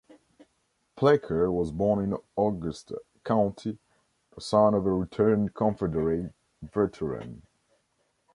Plecker was born in Augusta County, the son of a returned Confederate veteran.